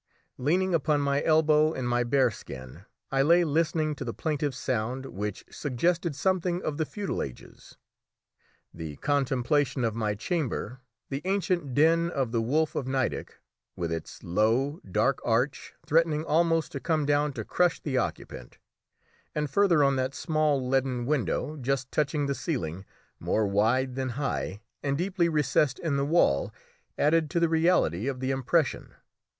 Leaning upon my elbow in my bear skin I lay listening to the plaintive sound, which suggested something of the feudal ages. The contemplation of my chamber, the ancient den of the Wolf of Nideck, with its low, dark arch, threatening almost to come down to crush the occupant; and further on that small leaden window, just touching the ceiling, more wide than high, and deeply recessed in the wall, added to the reality of the impression.